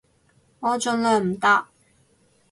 我盡量唔搭